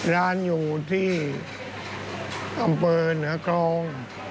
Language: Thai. ร้านอยู่ที่อำเภอเหนือคลอง